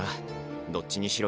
どっちにしろ